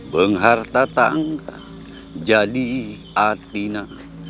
pengharta tangga jadi atina